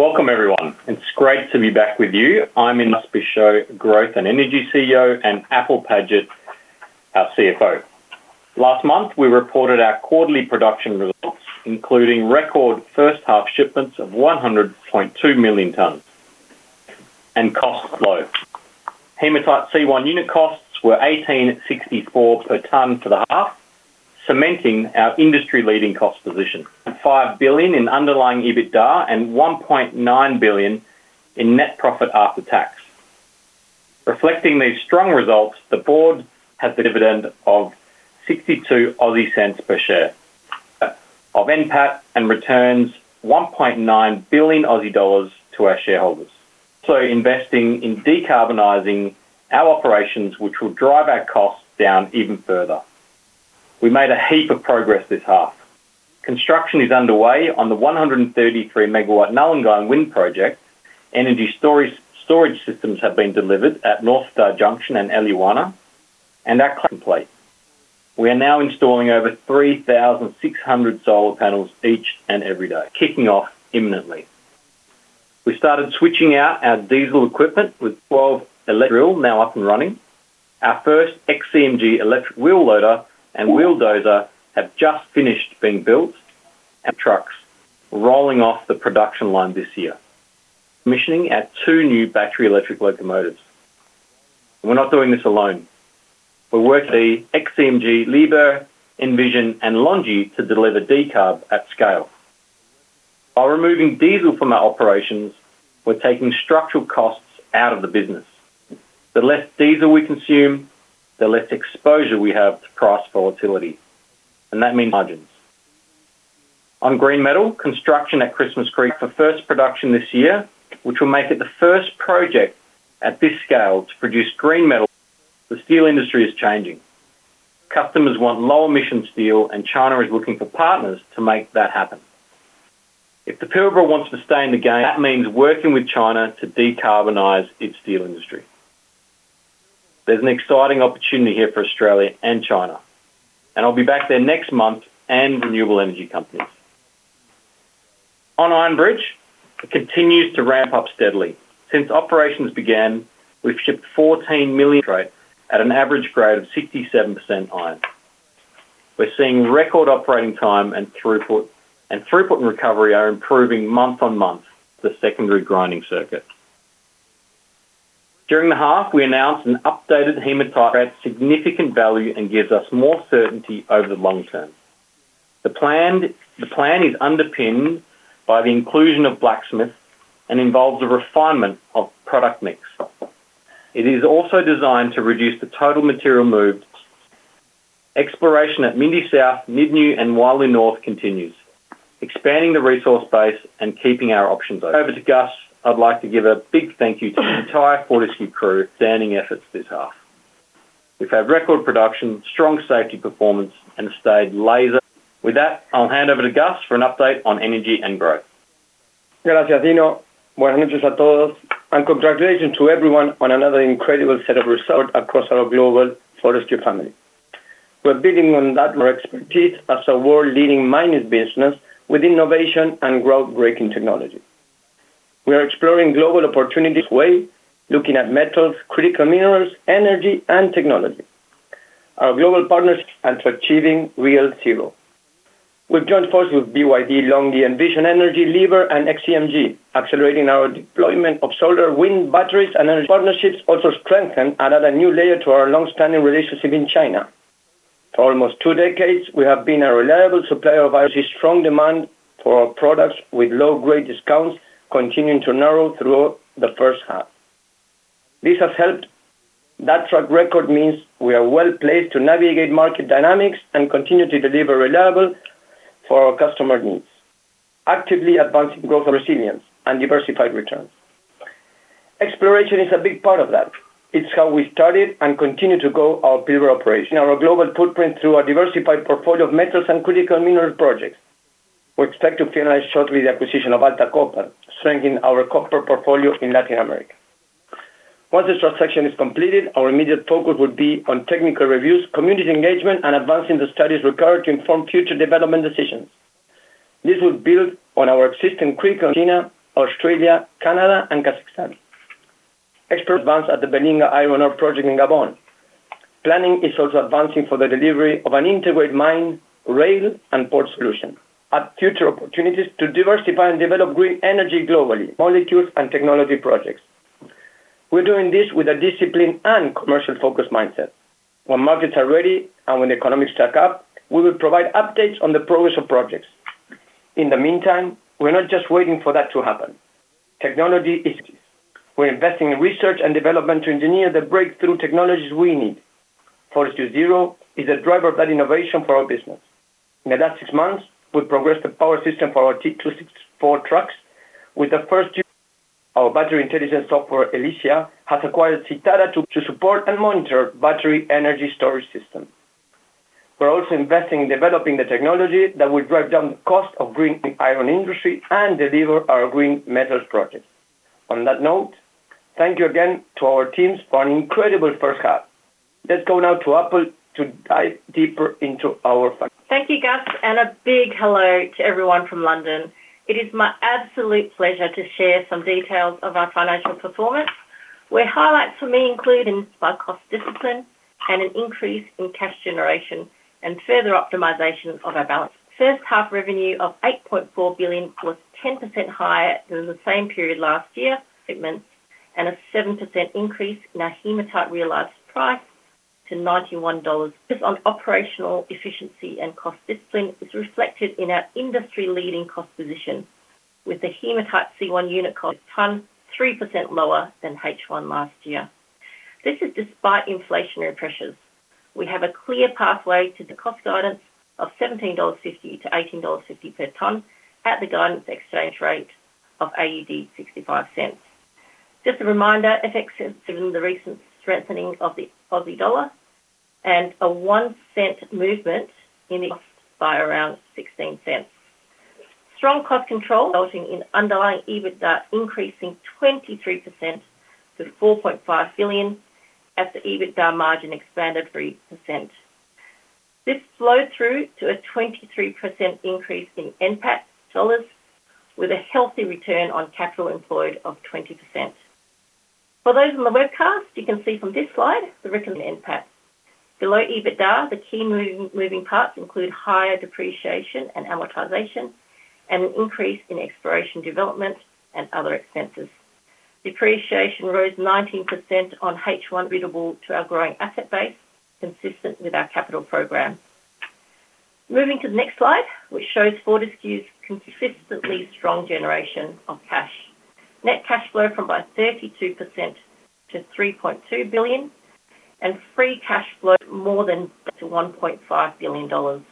Welcome everyone. It's great to be back with you. I'm Dino Otranto, Growth and Energy CEO, and Apple Paget, our CFO. Last month, we reported our quarterly production results, including record first half shipments of 100.2 million tons, and cost low. Hematite C1 unit costs were $18.64 per ton for the half, cementing our industry-leading cost position, and $5 billion in underlying EBITDA and $1.9 billion in net profit after tax. Reflecting these strong results, the board has a dividend of 0.62 per share. Of NPAT and returns 1.9 billion Aussie dollars to our shareholders. Investing in decarbonizing our operations, which will drive our costs down even further. We made a heap of progress this half. Construction is underway on the 133 MW Nullagine Wind Project. Energy storage systems have been delivered at North Star Junction and Eliwana and are complete. We are now installing over 3,600 solar panels each and every day, kicking off imminently. We started switching out our diesel equipment with 12 drill now up and running. Our first XCMG electric wheel loader and wheel dozer have just finished being built. Trucks rolling off the production line this year. Commissioning at two new battery electric locomotives. We're not doing this alone. We're working with the XCMG, Liebherr, Envision, and LONGI to deliver decarb at scale. By removing diesel from our operations, we're taking structural costs out of the business. The less diesel we consume, the less exposure we have to price volatility. That means margins. On green metal, construction at Christmas Creek for first production this year, which will make it the first project at this scale to produce green metal. The steel industry is changing. Customers want low-emission steel. China is looking for partners to make that happen. If the Pilbara wants to stay in the game, that means working with China to decarbonize its steel industry. There's an exciting opportunity here for Australia and China, and I'll be back there next month and renewable energy companies. On Iron Bridge, it continues to ramp up steadily. Since operations began, we've shipped 14 million at an average grade of 67% iron. We're seeing record operating time and throughput, and throughput and recovery are improving month on month, the secondary grinding circuit. During the half, we announced an updated hematite adds significant value and gives us more certainty over the long term. The plan is underpinned by the inclusion of Blacksmith and involves a refinement of product mix. It is also designed to reduce the total material move. Exploration at Mindy South, Nyidinghu, and Wyloo North continues, expanding the resource base and keeping our options open. Over to Gus, I'd like to give a big thank you to the entire Fortescue crew, standing efforts this half. We've had record production, strong safety performance, and stayed laser. With that, I'll hand over to Gus for an update on energy and growth. Gracias, Dino. Buenos noches a todos, congratulations to everyone on another incredible set of results across our global Fortescue family. We're building on that, our expertise as a world-leading mining business with innovation and groundbreaking technology. We are exploring global opportunities, looking at metals, critical minerals, energy, and technology. Our global partners, and to achieving real zero. We've joined forces with BYD, LONGI, Envision Energy, Liebherr, and XCMG, accelerating our deployment of solar, wind, batteries, and energy. Partnerships also strengthen and add a new layer to our long-standing relationship in China. For almost two decades, we have been a reliable supplier via strong demand for our products, with low-grade discounts continuing to narrow throughout the first half. This has helped. That track record means we are well-placed to navigate market dynamics and continue to deliver reliable for our customer needs, actively advancing growth, resilience, and diversified returns. Exploration is a big part of that. It's how we started and continue to grow our Pilbara operation. Our global footprint through a diversified portfolio of metals and critical mineral projects. We expect to finalize shortly the acquisition of Alta Copper, strengthening our copper portfolio in Latin America. Once this transaction is completed, our immediate focus will be on technical reviews, community engagement, and advancing the studies required to inform future development decisions. This will build on our existing critical China, Australia, Canada, and Kazakhstan. Expert advance at the Belinga iron ore project in Gabon. Planning is also advancing for the delivery of an integrated mine, rail, and port solution, and future opportunities to diversify and develop green energy globally, molecules, and technology projects. We're doing this with a discipline and commercial focus mindset. When markets are ready and when the economics stack up, we will provide updates on the progress of projects. In the meantime, we're not just waiting for that to happen. Technology, we're investing in R&D to engineer the breakthrough technologies we need. Fortescue Zero is a driver of that innovation for our business. In the last 6 months, we've progressed the power system for our T 264 trucks with the first 2. Our battery intelligence software, Elysia, has acquired zitara to support and monitor battery energy storage system. We're also investing in developing the technology that will drive down the cost of green iron industry and deliver our green metals projects. On that note, thank you again to our teams for an incredible first half. Let's go now to Apple to dive deeper into our... Thank you, Gus, a big hello to everyone from London. It is my absolute pleasure to share some details of our financial performance, where highlights for me include our cost discipline and an increase in cash generation and further optimization of our balance. First half revenue of $8.4 billion was 10% higher than the same period last year, segments, a 7% increase in our hematite realized price to $91. Just on operational efficiency and cost discipline is reflected in our industry-leading cost position, with the hematite C1 unit cost ton 3% lower than H1 last year. This is despite inflationary pressures. We have a clear pathway to the cost guidance of $17.50-$18.50 per ton at the guidance exchange rate of 0.65. Just a reminder, FX 7, the recent strengthening of the Aussie dollar and a 1 cent movement in the by around $0.16. Strong cost control, resulting in underlying EBITDA increasing 23% to $4.5 billion, as the EBITDA margin expanded 3%. This flowed through to a 23% increase in NPAT dollars, with a healthy return on capital employed of 20%. For those on the webcast, you can see from this slide the recommend NPAT. Below EBITDA, the key moving parts include higher depreciation and amortization and an increase in exploration, development, and other expenses. Depreciation rose 19% on H1, attributable to our growing asset base, consistent with our capital program. Moving to the next slide, which shows Fortescue's consistently strong generation of cash. Net cash flow from by 32% to $3.2 billion, and free cash flow more than to $1.5 billion.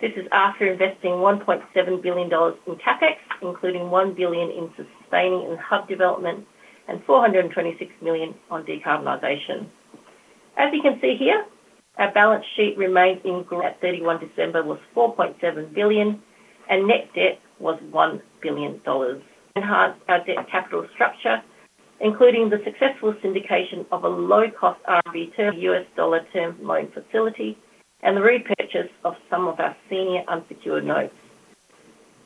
This is after investing $1.7 billion in CapEx, including $1 billion in sustaining and hub development and $426 million on decarbonization. As you can see here, our balance sheet remains in growth at 31 December was $4.7 billion, and net debt was $1 billion. Enhance our debt capital structure, including the successful syndication of a low-cost RV term, U.S. dollar term loan facility, and the repurchase of some of our senior unsecured notes.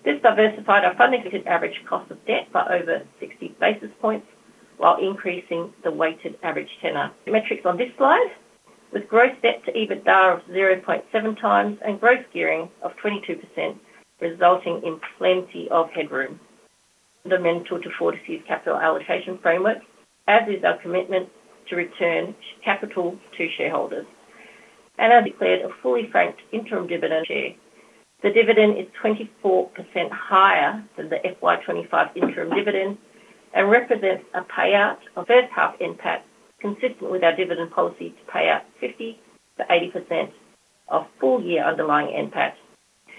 This diversified our funded average cost of debt by over 60 basis points while increasing the weighted average tenor. The metrics on this slide, with gross debt to EBITDA of 0.7 times and growth gearing of 22%, resulting in plenty of headroom. Fundamental to Fortescue's capital allocation framework, as is our commitment to return capital to shareholders. Have declared a fully franked interim dividend share. The dividend is 24% higher than the FY 2025 interim dividend and represents a payout of first half NPAT, consistent with our dividend policy to pay out 50%-80% of full-year underlying NPAT.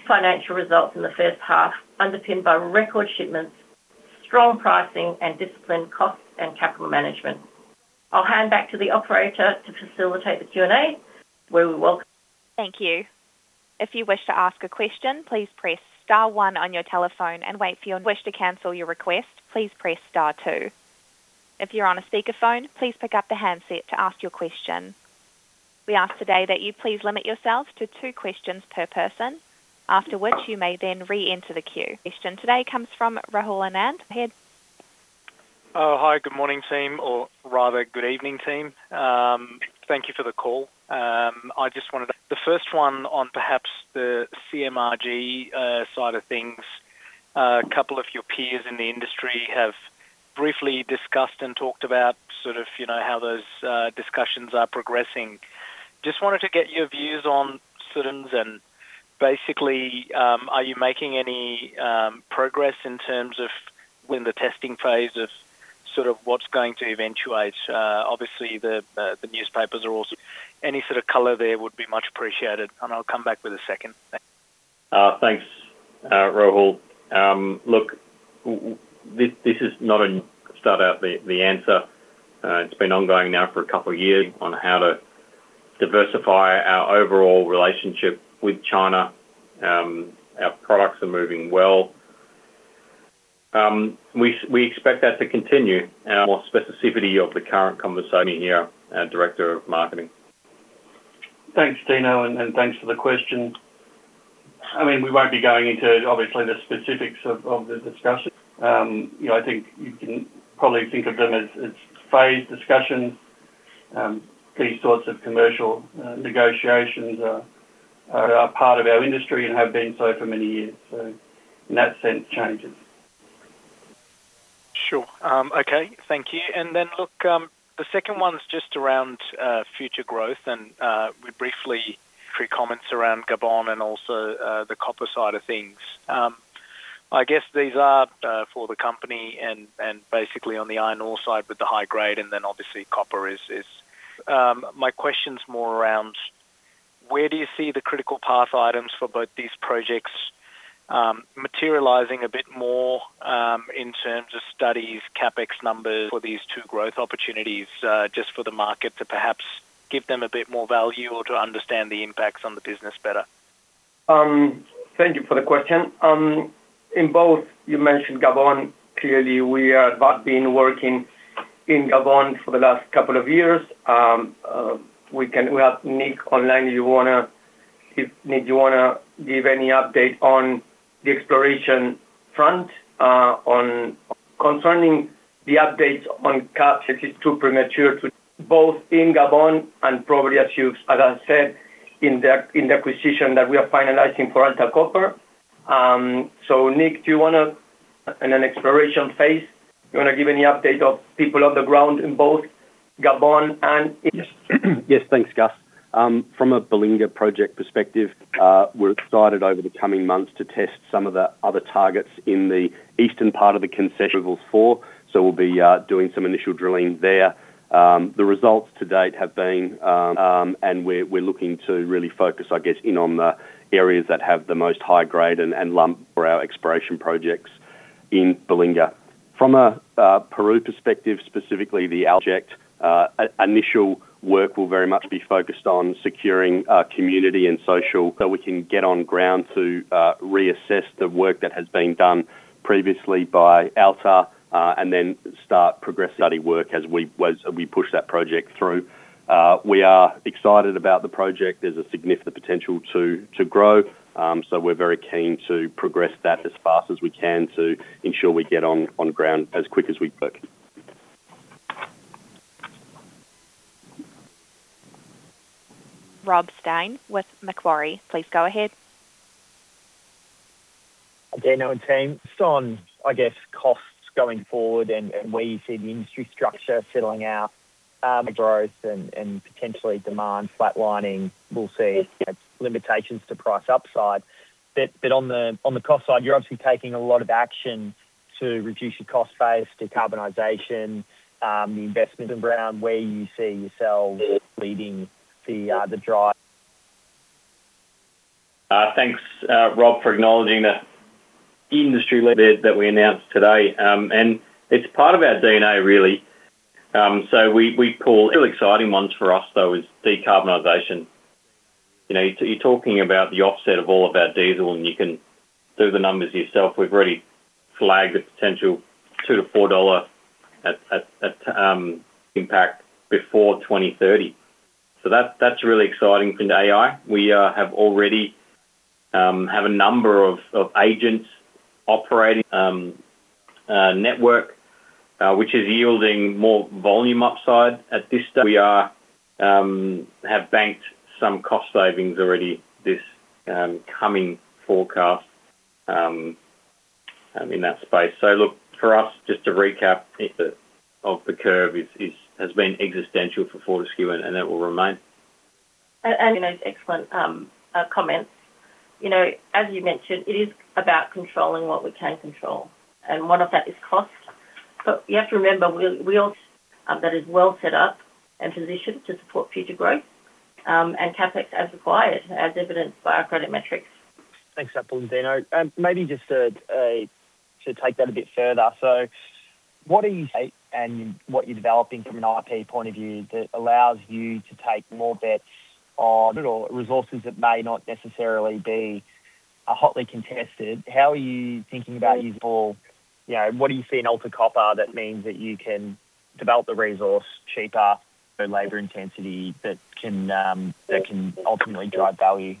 Financial results in the first half, underpinned by record shipments, strong pricing, and disciplined costs and capital management. I'll hand back to the operator to facilitate the Q&A, where we welcome- Thank you. If you wish to ask a question, please press star one on your telephone and wait. If you wish to cancel your request, please press star two. If you're on a speakerphone, please pick up the handset to ask your question. We ask today that you please limit yourselves to two questions per person, after which you may then reenter the queue. Question today comes from Rahul Anand, ahead. Oh, hi, good morning, team, or rather, good evening, team. Thank you for the call. I just wanted the first one on perhaps the CMRG side of things. A couple of your peers in the industry have briefly discussed and talked about sort of, you know, how those discussions are progressing. Just wanted to get your views on students, and basically, are you making any progress in terms of when the testing phase of sort of what's going to eventuate? Obviously, the newspapers are also. Any sort of color there would be much appreciated, and I'll come back with a second. Thanks. Thanks, Rahul. Look, this is not in start out the answer. It's been ongoing now for a couple of years on how to diversify our overall relationship with China. Our products are moving well. We expect that to continue and more specificity of the current conversation here, our director of marketing. Thanks, Dino, and thanks for the question. I mean, we won't be going into, obviously, the specifics of the discussion. you know, I think you can probably think of them as phased discussions. These sorts of commercial negotiations are part of our industry and have been so for many years. In that sense, changes. Sure. Okay, thank you. The second one's just around future growth, and we briefly comments around Gabon and also the copper side of things. I guess these are for the company and basically on the iron ore side with the high grade, and then obviously copper is. My question's more around where do you see the critical path items for both these projects, materializing a bit more in terms of studies, CapEx numbers for these two growth opportunities, just for the market to perhaps give them a bit more value or to understand the impacts on the business better? Thank you for the question. In both, you mentioned Gabon. Clearly, we are about working in Gabon for the last couple of years. We have Nick online, if you wanna... If, Nick, you wanna give any update on the exploration front, concerning the updates on CapEx, it is too premature to both in Gabon and probably as you, as I said, in the acquisition that we are finalizing for Alta Copper. Nick, do you wanna, in an exploration phase, do you want to give any update of people on the ground in both Gabon and- Yes. Yes, thanks, Gus. From a Belinga project perspective, we're excited over the coming months to test some of the other targets in the eastern part of the concession before. We'll be doing some initial drilling there. The results to date have been... We're looking to really focus, I guess, in on the areas that have the most high grade and lump for our exploration projects in Belinga. From a Peru perspective, specifically, the object initial work will very much be focused on securing community and social, so we can get on ground to reassess the work that has been done previously by Alta, and then start progressive study work as we push that project through. We are excited about the project. There's a significant potential to grow, so we're very keen to progress that as fast as we can to ensure we get on ground as quick as we can. Rob Stein with Macquarie, please go ahead. Good day, now, team. Just on, I guess, costs going forward and where you see the industry structure settling out, growth and potentially demand flatlining, we'll see, limitations to price upside. On the cost side, you're obviously taking a lot of action to reduce your cost base, decarbonization, the investments around where you see yourselves leading the drive. Thanks, Rob, for acknowledging the industry lead that we announced today. It's part of our D&A, really. Really exciting ones for us, though, is decarbonization. You know, you're talking about the offset of all of our diesel, and you can do the numbers yourself. We've already flagged a potential $2-$4 impact before 2030. That, that's really exciting for AI. We have already have a number of agents operating network, which is yielding more volume upside. At this stage, we are have banked some cost savings already this coming forecast in that space. Look, for us, just to recap, of the curve is has been existential for Fortescue, and that will remain. Excellent comments. You know, as you mentioned, it is about controlling what we can control, and one of that is cost. You have to remember, we also. That is well set up and positioned to support future growth, and CapEx as required, as evidenced by our credit metrics. Thanks, Apple and Dino. Maybe just to take that a bit further, what are you, and what you're developing from an IP point of view that allows you to take more bets on it or resources that may not necessarily be hotly contested? How are you thinking about using or, you know, what do you see in Alta Copper that means that you can develop the resource cheaper, the labor intensity that can, that can ultimately drive value?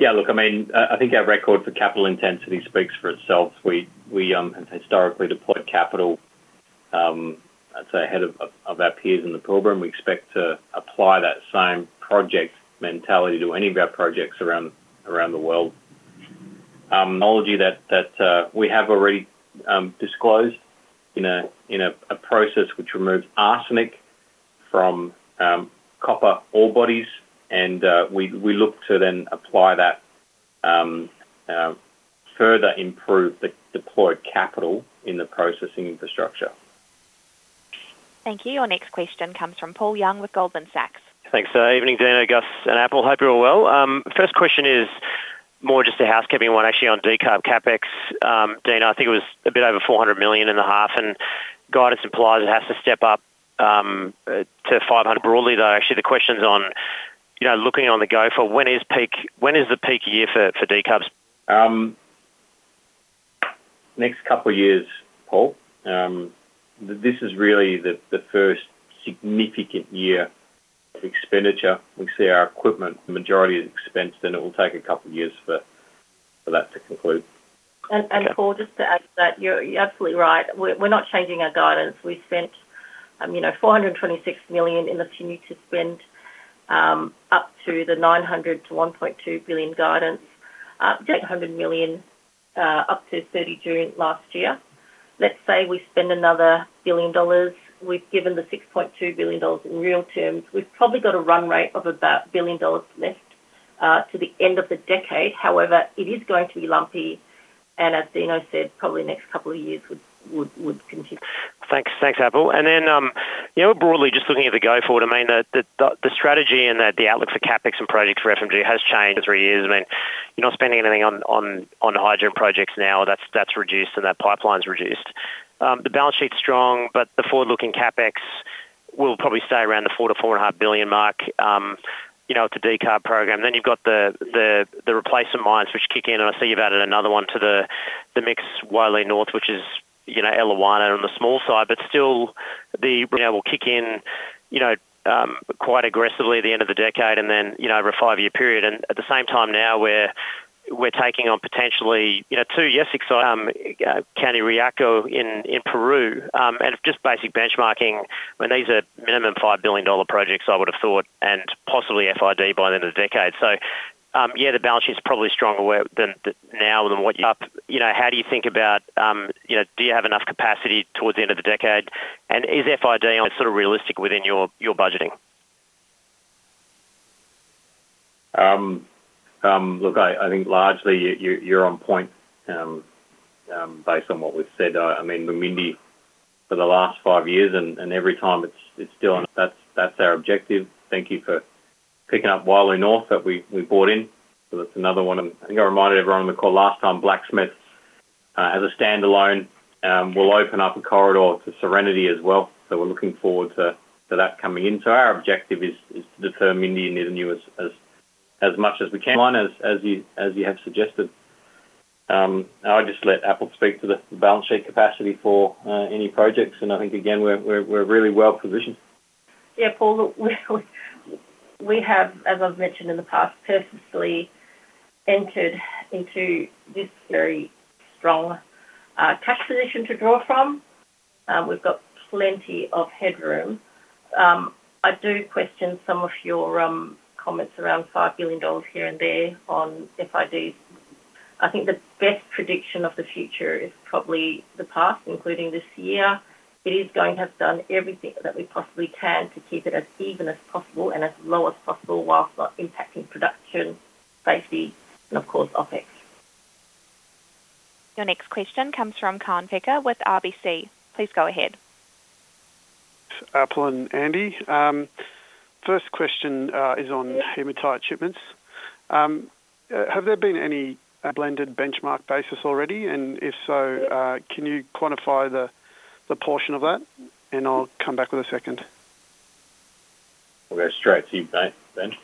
Look, I mean, I think our record for capital intensity speaks for itself. We have historically deployed capital, I'd say, ahead of our peers in the program. We expect to apply that same project mentality to any of our projects around the world. Technology that we have already disclosed in a process which removes arsenic from copper ore bodies, and we look to then apply that, further improve the deployed capital in the processing infrastructure. Thank you. Your next question comes from Paul Young with Goldman Sachs. Thanks. Evening, Dino, Gus, and Apple. Hope you're all well. First question is more just a housekeeping one, actually, on decarb CapEx. Dino, I think it was a bit over $400 million in the half, and guidance implies it has to step up to $500 million. Broadly, though, actually, the question is on, you know, looking on the go for when is the peak year for decarb? Next couple of years, Paul. This is really the first significant year of expenditure. We see our equipment, the majority is expense, then it will take a couple of years for that to conclude. Paul, just to add to that, you're absolutely right. We're not changing our guidance. We spent, you know, $426 million and continue to spend up to the $900 million-$1.2 billion guidance. $100 million up to 30 June last year. Let's say we spend another $1 billion. We've given the $6.2 billion in real terms. We've probably got a run rate of about $1 billion left to the end of the decade. It is going to be lumpy, and as Dino said, probably the next couple of years would continue. Thanks. Thanks, Apple. Then, you know, broadly, just looking at the go forward, I mean, the strategy and the outlook for CapEx and projects for FMG has changed in three years. I mean, you're not spending anything on hydrogen projects now. That's reduced and that pipeline's reduced. The balance sheet's strong, but the forward-looking CapEx. We'll probably stay around the $4 billion-$4.5 billion mark, you know, with the decarb program. Then you've got the replacement mines which kick in, and I see you've added another one to the mix, Wyloo North, which is, you know, Eliwana on the small side, but still, you know, will kick in, you know, quite aggressively at the end of the decade and then, over a 5-year period. At the same time now, we're taking on potentially, you know, 2 yes exercises, Cañariaco in Peru, and just basic benchmarking, when these are minimum $5 billion projects, I would have thought, and possibly FID by the end of the decade. Yeah, the balance sheet is probably stronger than now than what you up... You know, how do you think about, you know, do you have enough capacity towards the end of the decade? Is FID sort of realistic within your budgeting? Look, I think largely you're on point, based on what we've said. I mean, we're Mindy for the last five years, and every time it's still, and that's our objective. Thank you for picking up Wyloo North that we brought in. That's another one. I think I reminded everyone on the call last time, Blacksmith, as a standalone, will open up a corridor to Serenity as well. We're looking forward to that coming in. Our objective is to determine the universe as much as we can. One, as you have suggested. I'll just let Apple speak to the balance sheet capacity for any projects, and I think again, we're really well positioned. Paul, look, we have, as I've mentioned in the past, purposefully entered into this very strong cash position to draw from. We've got plenty of headroom. I do question some of your comments around $5 billion here and there on FIDs. I think the best prediction of the future is probably the past, including this year. It is going to have done everything that we possibly can to keep it as even as possible and as low as possible while not impacting production, safety, and of course, OpEx. Your next question comes from Kaan Peker with RBC. Please go ahead. Apple and Andy, first question, is on hematite shipments. Have there been any blended benchmark basis already? If so, can you quantify the portion of that? I'll come back with a second. We'll go straight to you, Ben.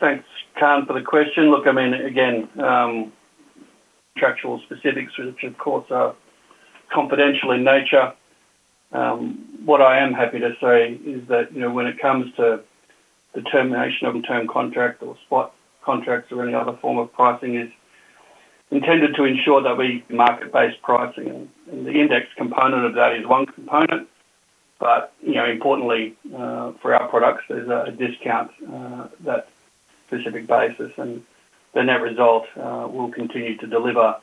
Thanks, Kaan, for the question. Look, I mean, again, structural specifics, which of course are confidential in nature. What I am happy to say is that, you know, when it comes to the termination of a term contract or spot contracts or any other form of pricing is intended to ensure that we market-based pricing. The index component of that is one component, but, you know, importantly, for our products, there's a discount that specific basis, and the net result will continue to deliver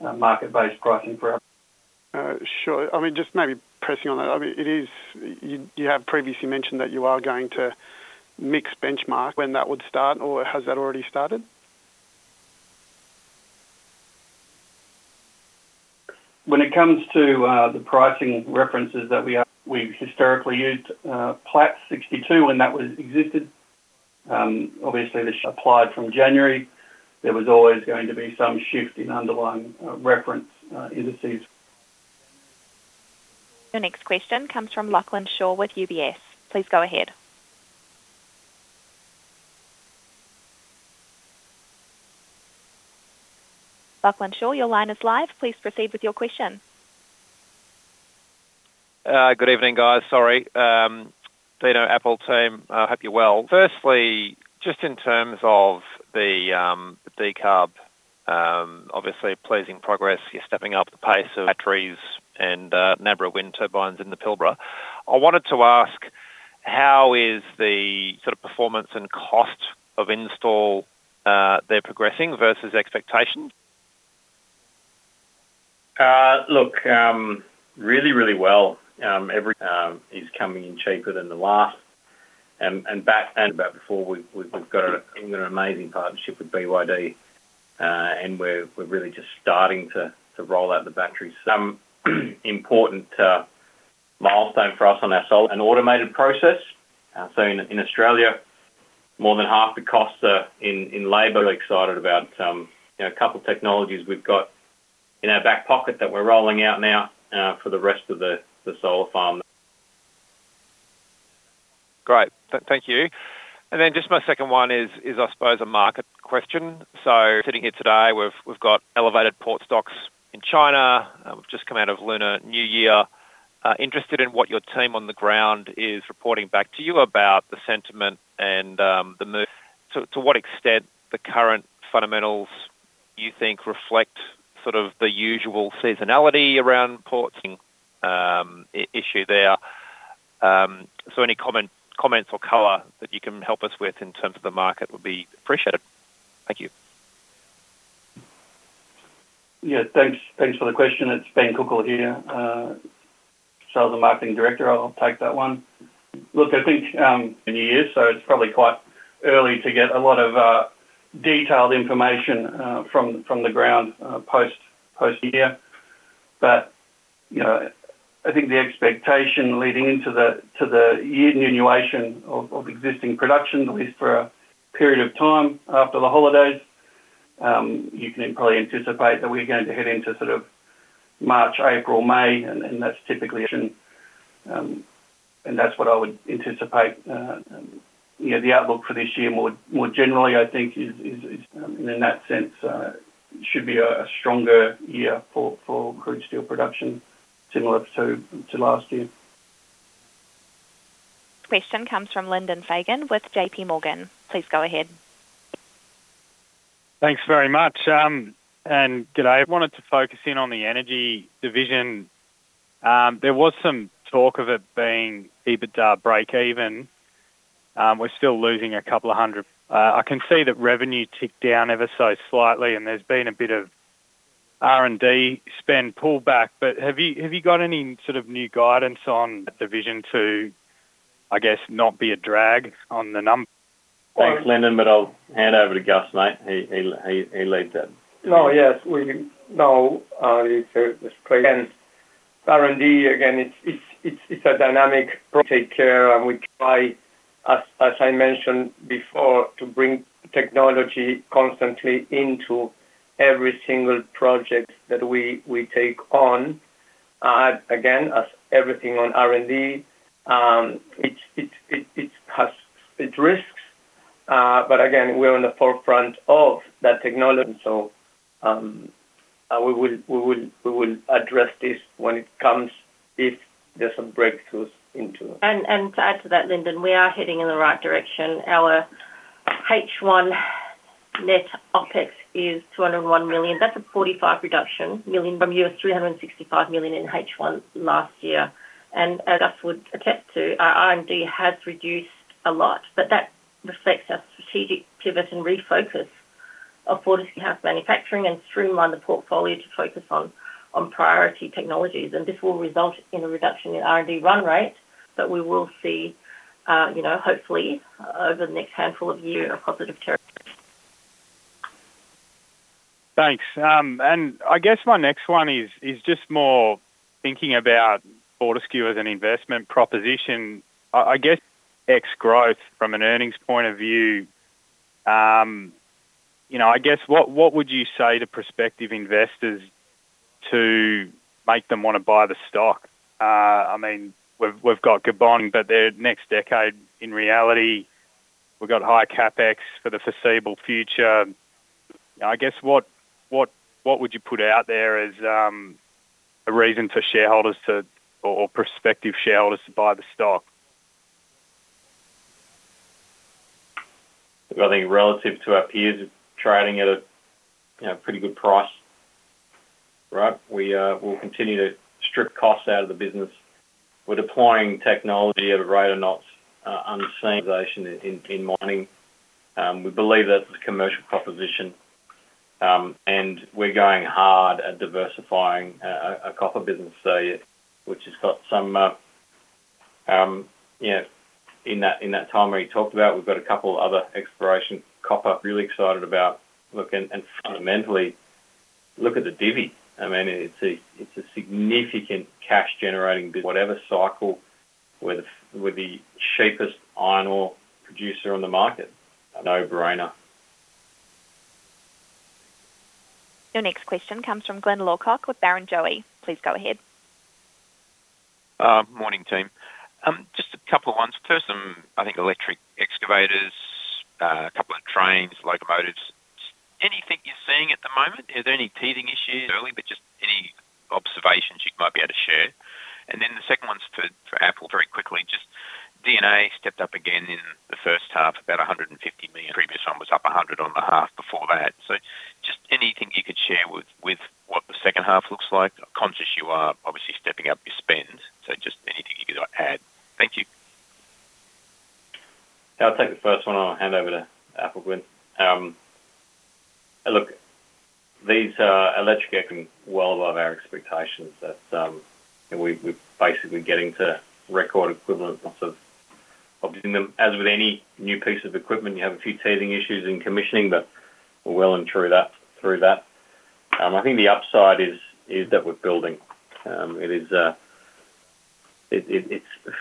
market-based pricing for our. Sure. I mean, just maybe pressing on that. I mean, you have previously mentioned that you are going to mix benchmark when that would start, or has that already started? When it comes to the pricing references we've historically used Platts 62% when that was existed. Obviously, this applied from January. There was always going to be some shift in underlying reference indices. The next question comes from Lachlan Shaw with UBS. Please go ahead. Lachlan Shaw, your line is live. Please proceed with your question. Good evening, guys. Sorry. Peter, Apple team, I hope you're well. Firstly, just in terms of the decarb, obviously, pleasing progress, you're stepping up the pace of batteries and Nabrawind wind turbines in the Pilbara. I wanted to ask, how is the sort of performance and cost of install, they're progressing versus expectations? Look, really well. Every is coming in cheaper than the last. We've got an amazing partnership with BYD, and we're really just starting to roll out the batteries. Some important milestone for us on our solar and automated process. In Australia, more than half the costs are in labor. We're excited about, you know, a couple of technologies we've got in our back pocket that we're rolling out now for the rest of the solar farm. Great. Thank you. Then just my second one is I suppose, a market question. Sitting here today, we've got elevated port stocks in China, we've just come out of Lunar New Year. Interested in what your team on the ground is reporting back to you about the sentiment and the move. To what extent the current fundamentals, you think, reflect sort of the usual seasonality around ports, issue there. Any comments or color that you can help us with in terms of the market would be appreciated. Thank you. Yeah, thanks for the question. It's Ben Cookell here, Sales and Marketing Director. I'll take that one. Look, I think, in years, so it's probably quite early to get a lot of detailed information from the ground post year. You know, I think the expectation leading into the year annuation of existing production, at least for a period of time after the holidays.... you can probably anticipate that we're going to head into sort of March, April, May, and that's typically, and that's what I would anticipate. You know, the outlook for this year, more generally, I think is, in that sense, should be a stronger year for crude steel production similar to last year. Question comes from Lyndon Fagan with JP Morgan. Please go ahead. Thanks very much. Good day. I wanted to focus in on the energy division. There was some talk of it being EBITDA breakeven. We're still losing a couple of hundred. I can see that revenue ticked down ever so slightly, and there's been a bit of R&D spend pullback. Have you got any sort of new guidance on the division to, I guess, not be a drag on the number? Thanks, Lyndon, but I'll hand over to Gus, mate. He leads that. No, yes, we know, R&D, again, it's a dynamic take care. We try, as I mentioned before, to bring technology constantly into every single project that we take on. Again, as everything on R&D, it has its risks. Again, we're on the forefront of that technology, so we will address this when it comes, if there's some breakthroughs into it. To add to that, Lyndon, we are heading in the right direction. Our H1 net OpEx is $201 million. That's a $45 reduction million from US, $365 million in H1 last year. As Gus would attest to, our R&D has reduced a lot, but that reflects our strategic pivot and refocus of Fortescue House manufacturing and streamline the portfolio to focus on priority technologies. This will result in a reduction in R&D run rate, but we will see, you know, hopefully, over the next handful of years, in a positive territory. Thanks. I guess my next one is just more thinking about Fortescue as an investment proposition. I guess, ex growth from an earnings point of view, you know, what would you say to prospective investors to make them wanna buy the stock? I mean, we've got Gabon, but the next decade, in reality, we've got high CapEx for the foreseeable future. I guess, what would you put out there as a reason for shareholders to or prospective shareholders to buy the stock? I think relative to our peers, trading at a, you know, pretty good price, right? We will continue to strip costs out of the business. We're deploying technology at a rate of knots unseen in mining. We believe that's a commercial proposition, and we're going hard at diversifying a copper business, so, which has got some, you know, in that time where you talked about, we've got a couple other exploration copper really excited about. Fundamentally, look at the divvy. I mean, it's a significant cash-generating whatever cycle with the cheapest iron ore producer on the market, a no-brainer. Your next question comes from Glyn Lawcock with Barrenjoey. Please go ahead. Morning, team. Just a couple of ones. First, I think electric excavators, a couple of trains, locomotives. Anything you're seeing at the moment, is there any teething issues early? Just any observations you might be able to share. Then the second one's for Apple, very quickly, just D&A stepped up again in the first half, about $150 million. Previous one was up $100 million on the half before that. Just anything you could share with what the second half looks like. Conscious you are, obviously, stepping up your spend, just anything you could add. Thank you. I'll take the first one, and I'll hand over to Apple, Glyn. Look, these electric are well above our expectations. That's, we're basically getting to record equivalent lots of... As with any new piece of equipment, you have a few teething issues in commissioning, but we're well and through that. I think the upside is that we're building. It's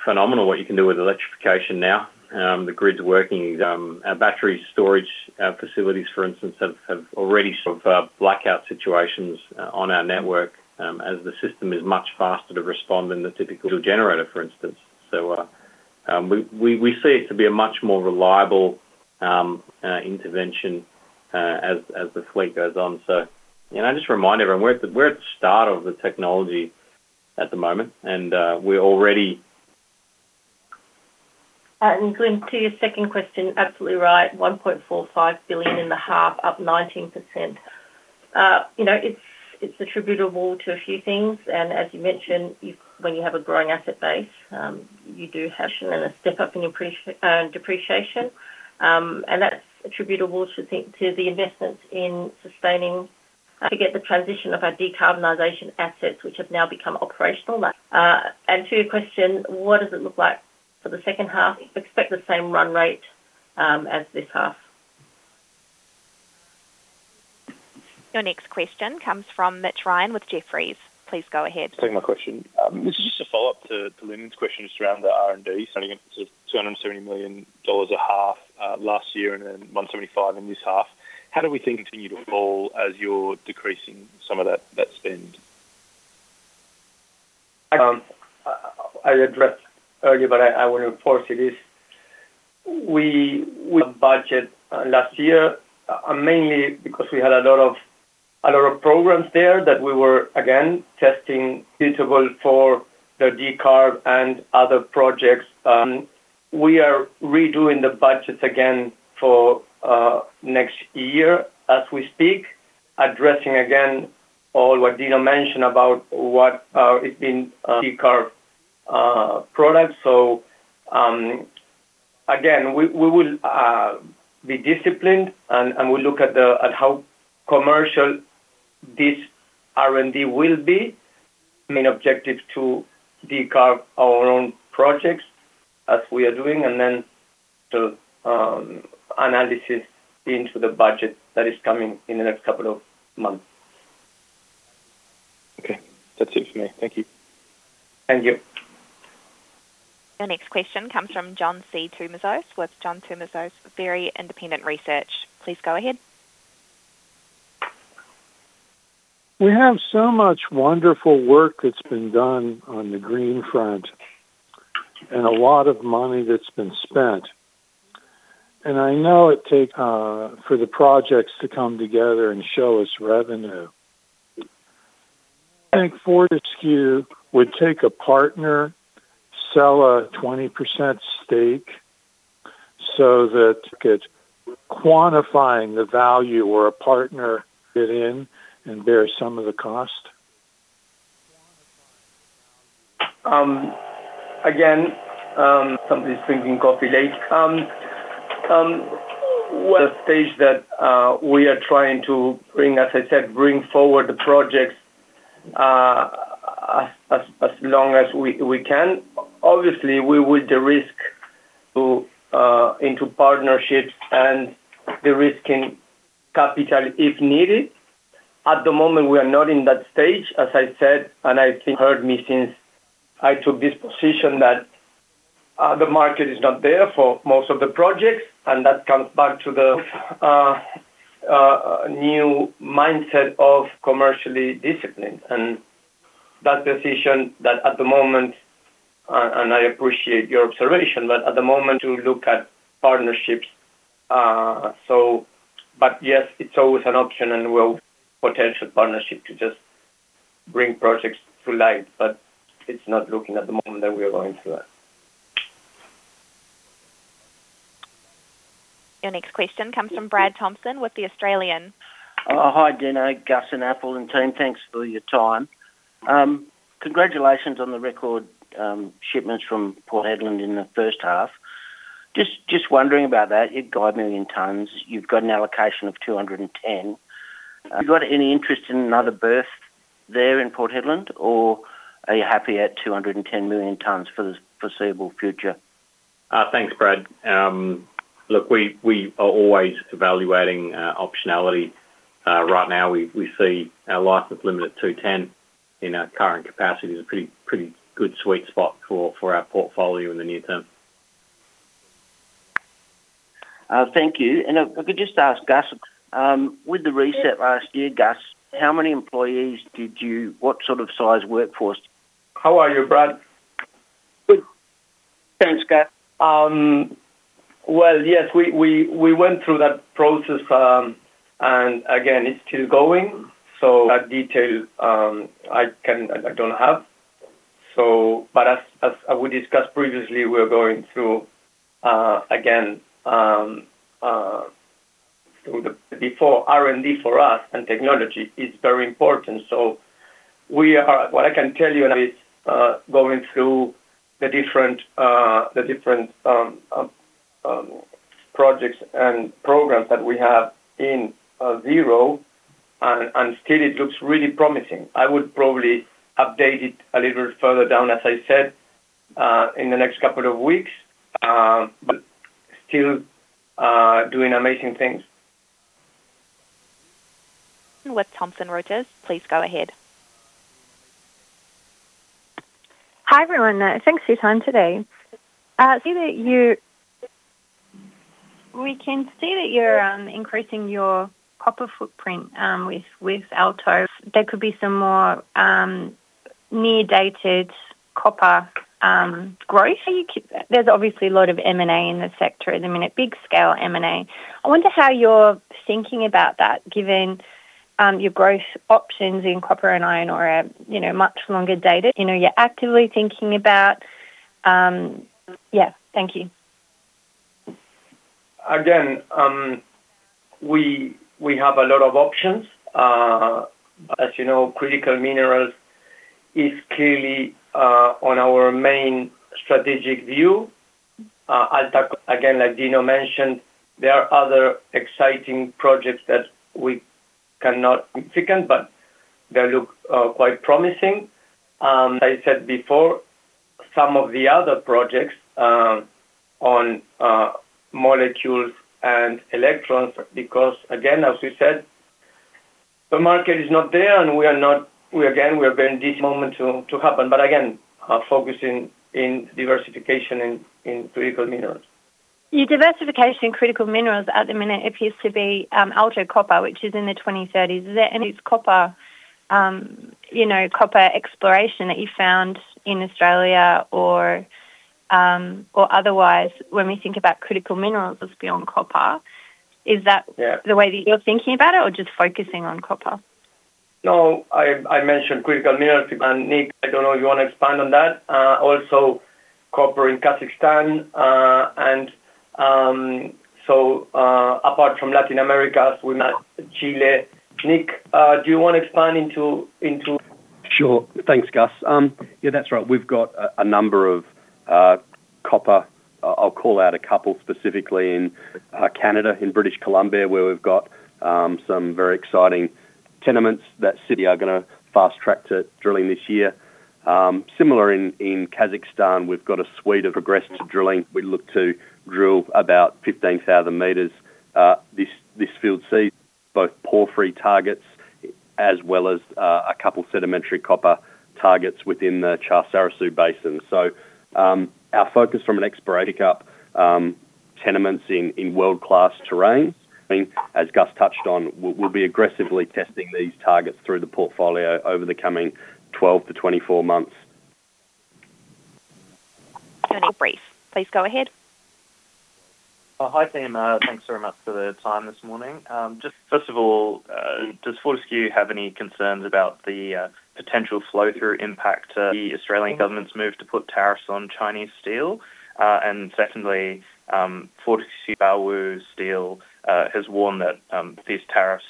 phenomenal what you can do with electrification now. The grid's working. Our battery storage facilities, for instance, have already sort of blackout situations on our network, as the system is much faster to respond than the typical generator, for instance. We see it to be a much more reliable intervention as the fleet goes on. I just remind everyone, we're at the start of the technology at the moment, and, we're already... Glenn, to your second question, absolutely right. 1.45 billion in the half, up 19%. You know, it's attributable to a few things, as you mentioned, when you have a growing asset base, you do have and a step up in your depreciation. That's attributable to the investments in sustaining, to get the transition of our decarbonization assets, which have now become operational. To your question, what does it look like for the second half? Expect the same run rate as this half. Your next question comes from Mitch Ryan with Jefferies. Please go ahead. Thank you for my question. This is just a follow-up to Lynn's question just around the R&D, starting at $270 million a half last year and then $175 in this half. How do we think you will fall as you're decreasing some of that spend? I addressed earlier, but I want to enforce it is. We budget last year, mainly because we had a lot of programs there that we were, again, testing suitable for the decarb and other projects. We are redoing the budgets again for next year as we speak, addressing again all what Dino mentioned about what is in decarb products. Again, we will be disciplined and we look at how commercial this R&D will be. Main objective to decarb our own projects as we are doing, and then the analysis into the budget that is coming in the next couple of months. Okay. That's it for me. Thank you. Thank you. Your next question comes from John C. Tumazos with John Tumazos Very Independent Research. Please go ahead. You have so much wonderful work that's been done on the green front and a lot of money that's been spent, and I know it takes for the projects to come together and show us revenue. I think Fortescue would take a partner, sell a 20% stake so that it's quantifying the value or a partner fit in and bear some of the cost? Again, somebody's drinking coffee late. Well, the stage that we are trying to bring, as I said, bring forward the projects, as long as we can. Obviously, we with the risk to into partnerships and the risk in capital, if needed. At the moment, we are not in that stage, as I said, and I think heard me since I took this position that the market is not there for most of the projects, and that comes back to the new mindset of commercially discipline and that decision that at the moment, and I appreciate your observation, but at the moment, to look at partnerships. Yes, it's always an option, and we'll potential partnership to just bring projects to light, but it's not looking at the moment that we are going through that. Your next question comes from Brad Thompson with The Australian. Hi, Dino, Gus, and Apple and team. Thanks for your time. Congratulations on the record shipments from Port Hedland in the first half. Just wondering about that. You've got 1 million tons, you've got an allocation of 210. Have you got any interest in another berth there in Port Hedland, or are you happy at 210 million tons for the foreseeable future? thanks, Brad. look, we are always evaluating, optionality. right now, we see our license limit at 210 in our current capacity is a pretty good sweet spot for our portfolio in the near term. Thank you. If I could just ask Gus, with the reset last year, Gus, what sort of size workforce? How are you, Brad? Good. Thanks, Gus. Well, yes, we went through that process, and again, it's still going. That detail, I don't have. As we discussed previously, we're going through again through the before R&D for us and technology is very important. What I can tell you is going through the different the different projects and programs that we have in Zero, and still it looks really promising. I would probably update it a little further down, as I said, in the next couple of weeks, but still doing amazing things. With Thomson Reuters, please go ahead. Hi, everyone. Thanks for your time today. We can see that you're increasing your copper footprint with Alta. There could be some more near-dated copper growth. How you keep that? There's obviously a lot of M&A in the sector at the minute, big scale M&A. I wonder how you're thinking about that, given your growth options in copper and iron ore are, you know, much longer dated. You know, you're actively thinking about. Yeah. Thank you. Again, we have a lot of options. As you know, critical minerals is clearly on our main strategic view. Alta, again, like Dino mentioned, there are other exciting projects that we cannot significant, but they look quite promising. As I said before, some of the other projects on molecules and electrons, because again, as we said, the market is not there, and we are bringing this moment to happen, but again, are focusing in diversification in critical minerals. Your diversification in critical minerals at the minute appears to be, Alta Copper, which is in the 2030s. Is there any copper, you know, copper exploration that you found in Australia or otherwise, when we think about critical minerals as beyond copper? Yeah. The way that you're thinking about it or just focusing on copper? No, I mentioned critical minerals, and Nick, I don't know if you want to expand on that. Also copper in Kazakhstan, and apart from Latin America, we met Chile. Nick, do you want to expand into. Sure. Thanks, Gus. Yeah, that's right. We've got a number of copper. I'll call out a couple specifically in Canada, in British Columbia, where we've got some very exciting tenements that city are gonna fast track to drilling this year. Similar in Kazakhstan, we've got a suite of progressive drilling. We look to drill about 15,000 meters. This field see both porphyry targets, as well as a couple sedimentary copper targets within the Chu-Sarysu Basin. Our focus from an exploration up, tenements in world-class terrain, I mean, as Gus touched on, we'll be aggressively testing these targets through the portfolio over the coming 12 to 24 months. Daniel Brief, please go ahead. Hi, team. Thanks very much for the time this morning. Just first of all, does Fortescue have any concerns about the potential flow-through impact, the Australian government's move to put tariffs on Chinese steel? Secondly, Fortescue Baowu Steel has warned that these tariffs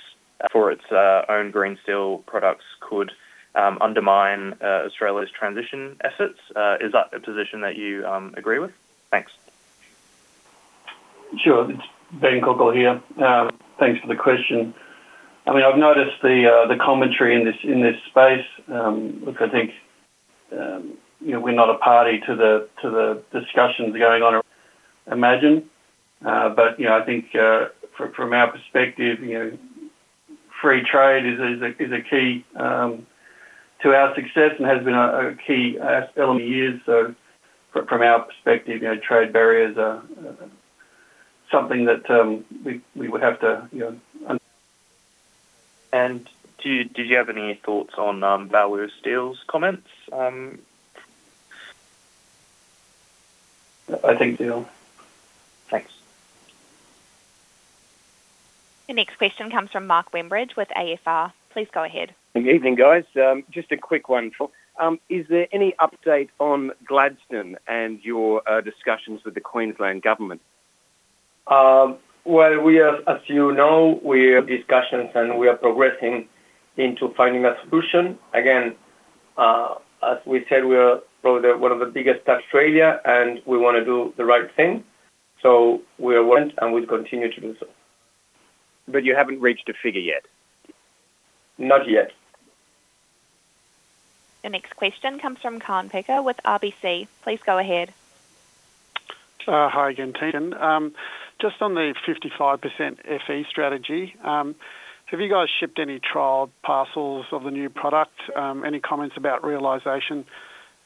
for its own green steel products could undermine Australia's transition assets. Is that a position that you agree with? Thanks. Sure. It's Ben Kuckel here. Thanks for the question. I mean, I've noticed the commentary in this space, which I think, you know, we're not a party to the discussions going on, imagine. I think, from our perspective, you know, free trade is a key to our success and has been a key element years. From our perspective, you know, trade barriers are something that we would have to, you know. Did you have any thoughts on Baowu Steels comments? I think they all... Thanks. The next question comes from Mark Wimbridge with AFR. Please go ahead. Good evening, guys. Just a quick one. Is there any update on Gladstone and your discussions with the Queensland Government? Well, we are, as you know, we have discussions, and we are progressing into finding a solution. Again, as we said, we are probably the one of the biggest Australia, and we want to do the right thing, so we are working, and we'll continue to do so. You haven't reached a figure yet? Not yet. The next question comes from Kaan Peker with RBC. Please go ahead. Hi again, team. Just on the 55% Fe strategy, have you guys shipped any trial parcels of the new product? Any comments about realization?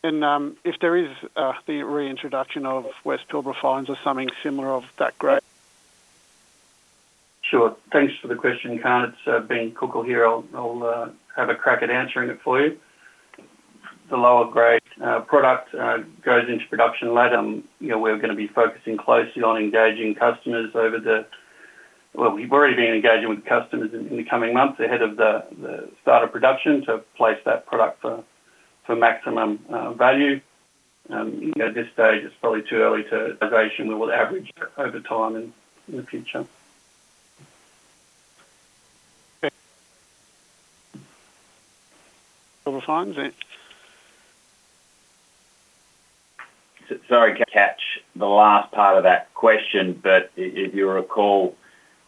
If there is the reintroduction of West Pilbara Fines or something similar of that grade. Sure. Thanks for the question, Kaan. It's Ben Kuckel here. I'll have a crack at answering it for you. The lower grade product goes into production later. You know, we're gonna be focusing closely on engaging customers. Well, we've already been engaging with customers in the coming months ahead of the start of production to place that product for maximum value. You know, at this stage, it's probably too early. We will average over time in the future. Okay. Over fines. Sorry, can catch the last part of that question, but if you recall,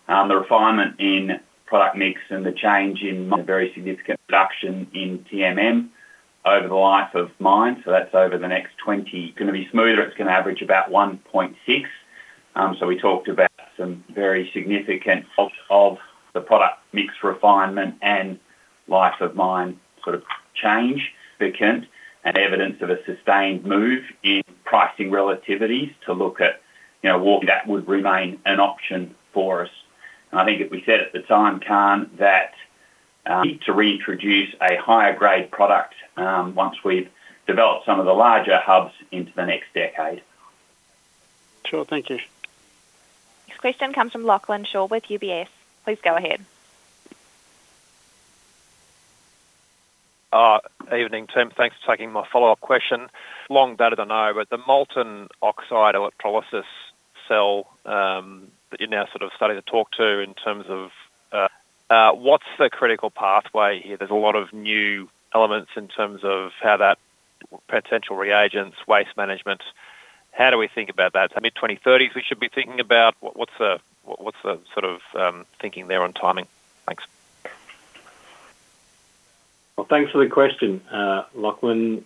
the refinement in product mix and the change in the very significant reduction in TMM over the life of mine, so that's over the next 20, gonna be smoother, it's gonna average about 1.6. We talked about some very significant of the product mix refinement and life of mine sort of change, frequent, and evidence of a sustained move in pricing relativities to look at, you know, what that would remain an option for us. I think that we said at the time, Kaan, that to reintroduce a higher grade product once we've developed some of the larger hubs into the next decade. Sure. Thank you. Next question comes from Lachlan Shaw with UBS. Please go ahead. Evening, team. Thanks for taking my follow-up question. Long better than I, but the Molten Oxide Electrolysis cell that you're now sort of starting to talk to in terms of what's the critical pathway here? There's a lot of new elements in terms of how that potential reagents, waste management, how do we think about that? Mid-2030s, we should be thinking about what's the sort of thinking there on timing? Thanks. Well, thanks for the question, Lachlan.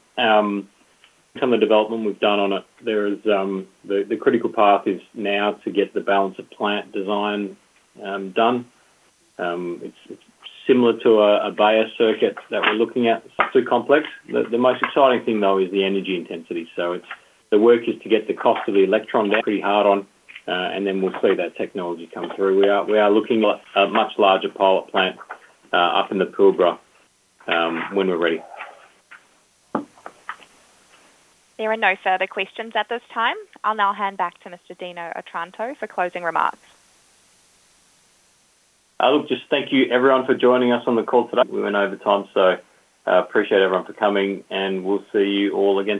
Some of the development we've done on it, there is, the critical path is now to get the balance of plant design, done. It's similar to a buyer circuit that we're looking at, too complex. The most exciting thing, though, is the energy intensity. The work is to get the cost of the electron pretty hard on, and then we'll see that technology come through. We are looking at a much larger pilot plant up in the Pilbara when we're ready. There are no further questions at this time. I'll now hand back to Mr. Dino Otranto for closing remarks. I'll just thank you everyone for joining us on the call today. We went over time, so, appreciate everyone for coming, and we'll see you all again soon.